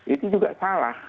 itu juga salah